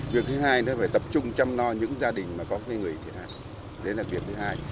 việc thứ hai là tập trung chăm lo những gia đình có người thiệt hại đấy là việc thứ hai